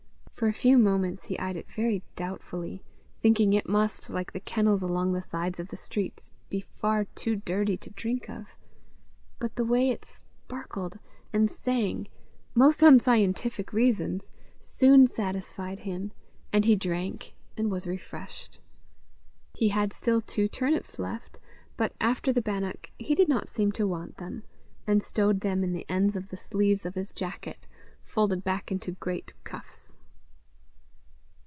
For a few moments he eyed it very doubtfully, thinking it must, like the kennels along the sides of the streets, be far too dirty to drink of; but the way it sparkled and sang most unscientific reasons soon satisfied him, and he drank and was refreshed. He had still two turnips left, but, after the bannock, he did not seem to want them, and stowed them in the ends of the sleeves of his jacket, folded back into great cuffs.